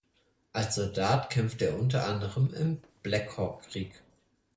Als Soldat kämpfte er unter anderem im Black-Hawk-Krieg.